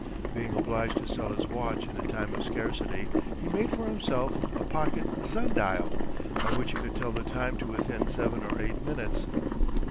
Being obliged to sell his watch in a time of scarcity, he made for himself a pocket sun dial, by which he could tell the time to within seven or eight minutes.